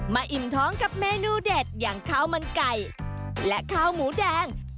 อิ่มท้องกับเมนูเด็ดอย่างข้าวมันไก่และข้าวหมูแดง